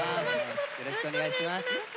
よろしくお願いします。